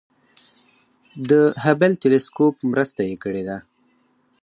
د هبل تلسکوپ مرسته یې کړې ده.